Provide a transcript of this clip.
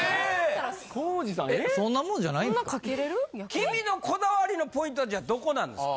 君のこだわりのポイントはじゃあどこなんですか？